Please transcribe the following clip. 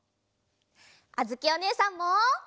あづきおねえさんも！